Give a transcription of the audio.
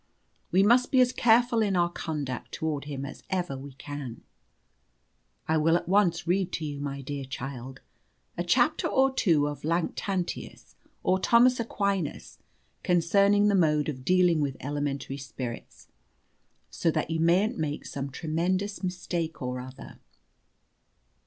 We must be as careful in our conduct towards him as ever we can. I will at once read to you, my dear child, a chapter or two of Lactantius or Thomas Aquinas concerning the mode of dealing with elementary spirits, so that you mayn't make some tremendous mistake or other."